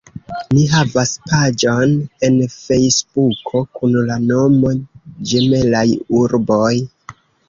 Ni havas paĝon en Fejsbuko kun la nomo Ĝemelaj Urboj.